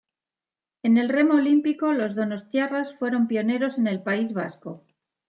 En el remo olímpico, los donostiarras fueron pioneros en el País Vasco.